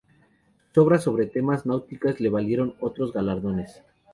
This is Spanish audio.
Sus obras sobre temas náuticos le valieron otros galardones.